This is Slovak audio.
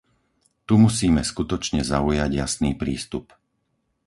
Tu musíme skutočne zaujať jasný prístup.